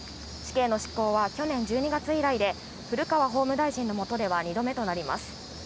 死刑の執行は去年１２月以来で、古川法務大臣のもとでは２度目となります。